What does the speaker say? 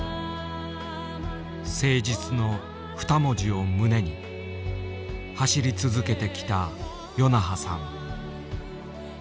「誠実」の二文字を胸に走り続けてきた与那覇さん。